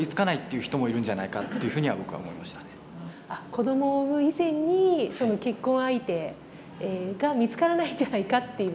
子どもを生む以前に結婚相手が見つからないんじゃないかっていう。